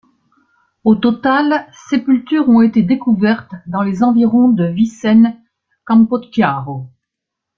Au total, sépultures ont été découvertes dans les environs de Vicenne-Campochiaro.